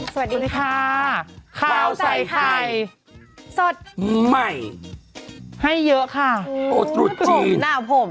สวัสดีค่ะข้าวใส่ไข่สดใหม่ให้เยอะค่ะโอ้สุดหน้าผม